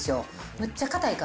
むっちゃ硬い皮。